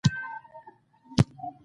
دا ډېره اسانه ده چې چاته ماتې ورکړو.